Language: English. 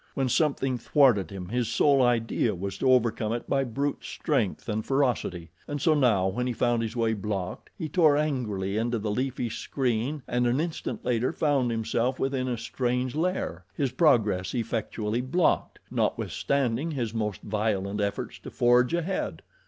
When something thwarted him, his sole idea was to overcome it by brute strength and ferocity, and so now when he found his way blocked, he tore angrily into the leafy screen and an instant later found himself within a strange lair, his progress effectually blocked, notwithstanding his most violent efforts to forge ahead.